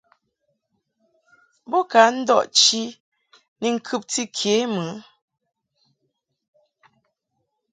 Bo ka ndɔʼ chi ni ŋkɨbti ke mɨ.